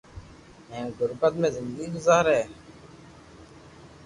ھين غربت ۾ زندگي گزاري